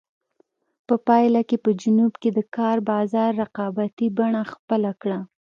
په پایله کې په جنوب کې د کار بازار رقابتي بڼه خپله کړه.